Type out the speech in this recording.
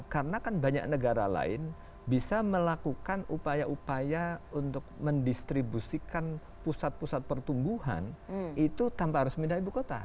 karena kan banyak negara lain bisa melakukan upaya upaya untuk mendistribusikan pusat pusat pertumbuhan itu tanpa harus pindah ibu kota